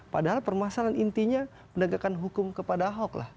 padahal permasalahan intinya penegakan hukum kepada ahok lah